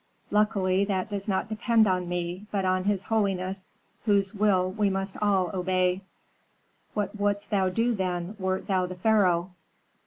Luckily that does not depend on me, but on his holiness, whose will we must all obey." "What wouldst thou do, then, wert thou the pharaoh?"